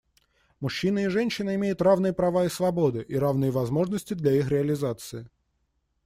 Мужчина и женщина имеют равные права и свободы и равные возможности для их реализации.